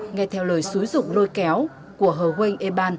ngay theo lời xúi dụng lôi kéo của hồ quỳnh